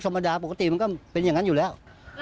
ไม่รู้เลย